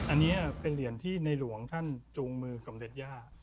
อันนี้เป็นเหรียญที่นายหลวงท่านจูงมือกับเมริกา